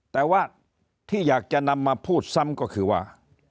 แต่ว่าที่อยากจะนำมาพูดซ้ำก็คือว่า